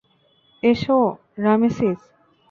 এসো, রামেসিস।